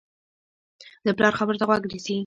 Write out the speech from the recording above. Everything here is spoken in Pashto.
د پلار خبرو ته غوږ نیسي.